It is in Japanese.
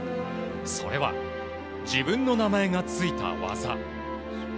それは、自分の名前がついた技。